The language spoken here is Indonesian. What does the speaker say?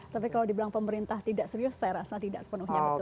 tapi kalau dibilang pemerintah tidak serius saya rasa tidak sepenuhnya betul